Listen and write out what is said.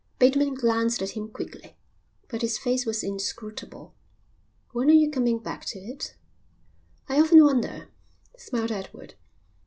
Bateman glanced at him quickly, but his face was inscrutable. "When are you coming back to it?" "I often wonder," smiled Edward.